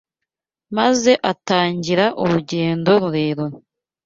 maze atangira urugendo rurerure